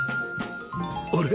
あれ？